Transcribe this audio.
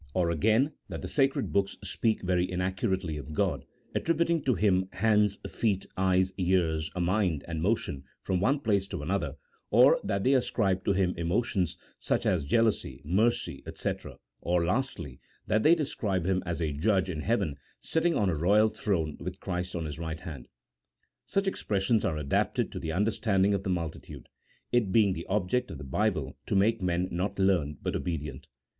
or, again, that the sacred books speak very inaccurately of God, attributing to Him hands, feet, eyes, ears, a mind, and motion from one place to another ; or that they ascribe to Him emotions, such as jealousy, mercy, &c, or, lastly, that they describe Him as a Judge in heaven sitting on a royal throne with Christ on His right hand. Such expressions are adapted to the under standing of the multitude, it being the object of the Bible to make men not learned but obedient.